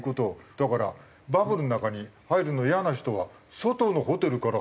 だからバブルの中に入るのイヤな人は外のホテルから通うって話。